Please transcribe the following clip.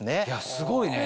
すごいね。